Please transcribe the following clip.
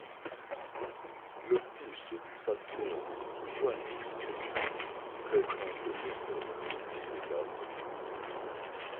Le fils du facteur Johann Fricker fréquente l'école et le lycée d'Aarau.